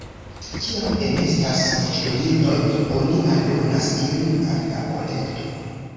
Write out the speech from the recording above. Kiam enestas voĉdoniloj, oni aldonas ilin al la kolekto.